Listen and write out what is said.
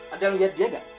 ada yang lihat dia nggak